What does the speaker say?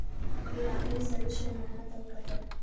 نوي راغلي سړي شېرمحمد ته وکتل.